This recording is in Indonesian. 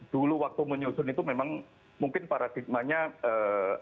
dulu waktu menyusun itu memang mungkin paradigmanya ee